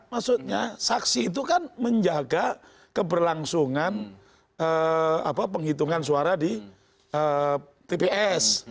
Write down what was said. maksudnya saksi itu kan menjaga keberlangsungan penghitungan suara di tps